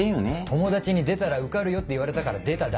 友達に「出たら受かるよ」って言われたから出ただけ。